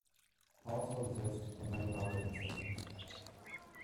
– also exist for many operating systems.